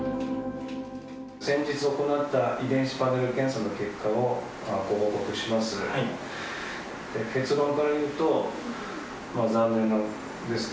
先日行った遺伝子パネル検査の結果をご報告します。